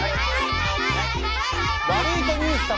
ワルイコニュース様。